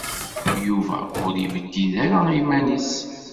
Yuba ur yebdid ara i yiman-nnes.